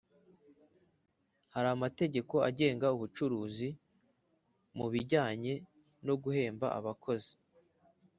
Hari amategeko agenga ubucuruzi mubijyanye noguhemba abakozi